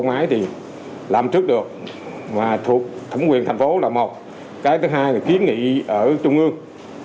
ngoái thì làm trước được và thuộc thẩm quyền thành phố là một cái thứ hai là kiến nghị ở trung ương